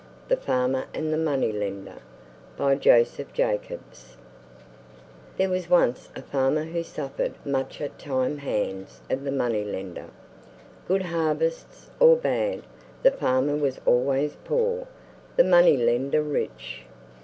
THE FARMER AND THE MONEY LENDER By Joseph Jacobs There was ounce a farmer who suffered much at time hands of the money lender. Good harvests, or bad, the farmer was always poor, the money lender rich.